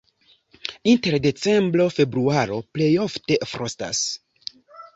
Inter decembro-februaro plej ofte frostas.